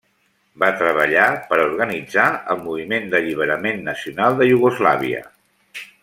Va treballar per a organitzar el Moviment d'Alliberament Nacional de Iugoslàvia.